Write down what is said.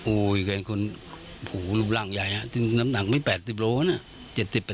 โอ้ยแค่คนหูลูกร่างใหญ่น้ำหนักไม่๘๐กิโลกรัมนะ